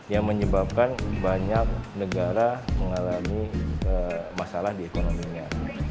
yang menyebabkan banyak negara mengalami masalah di ekonominya